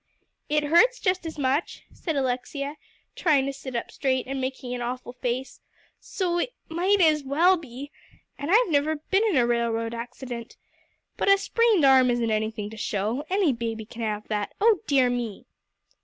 "It hurts just as much," said Alexia, trying to sit up straight, and making an awful face, "so it might as well be. And I've never been in a railroad accident. But a sprained arm isn't anything to show; any baby can have that oh dear me!"